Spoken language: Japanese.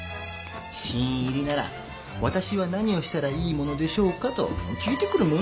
新入りなら「私は何をしたらいいものでしょうか？」と聞いてくるものですよ。